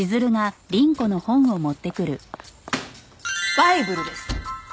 バイブルです。